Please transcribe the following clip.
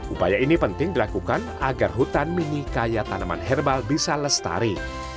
upaya ini penting dilakukan agar hutan mini kaya tanaman herbal bisa lestari